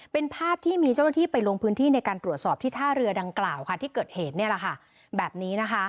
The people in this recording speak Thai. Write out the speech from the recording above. เป็นภาพที่มีเจ้าหน้าที่ไปลงพื้นที่ในการตรวจสอบที่ท่าเรือดังกล่าวที่เกิดเหตุแบบนี้นะคะ